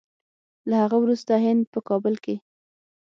له هغه وروسته هند په کابل کې